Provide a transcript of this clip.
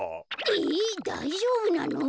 えっだいじょうぶなの？